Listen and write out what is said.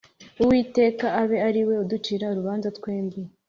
Uwiteka abe ari we uducira urubanza twembi